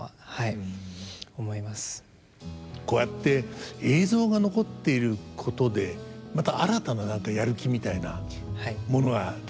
こうやって映像が残っていることでまた新たな何かやる気みたいなものが出てきますよね。